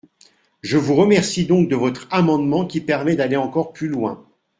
Je vous remercie donc de votre amendement qui permet d’aller encore plus loin.